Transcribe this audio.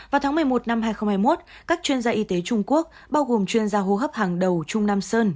vào tháng một mươi một năm hai nghìn hai mươi một các chuyên gia y tế trung quốc bao gồm chuyên gia hô hấp hàng đầu trung nam sơn